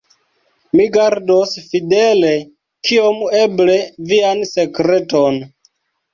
Mi gardos fidele, kiom eble, vian sekreton.